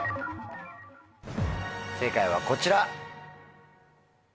正解はこちら。